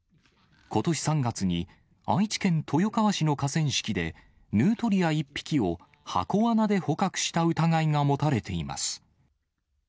ことし３月に愛知県豊川市の河川敷で、ヌートリア１匹を箱わなで捕獲した疑いが持たれています。